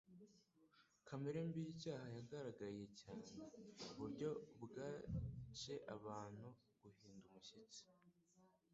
Kamere mbi y'icyaha yagaragaye cyane: buryo byatcye abantu guhinda umushyitsi.